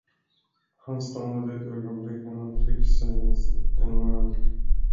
Han stannade ett ögonblick, när han fick se en man.